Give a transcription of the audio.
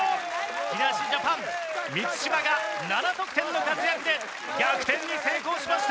木梨ジャパン満島が７得点の活躍で逆転に成功しました。